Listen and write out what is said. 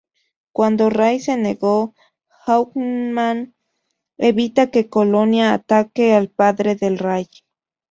Cuando Ray se negó, Hawkman evita que Colonia ataque al padre de Ray.